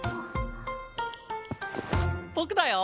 僕だよ！